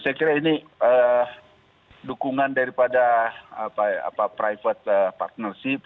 saya kira ini dukungan daripada private partnership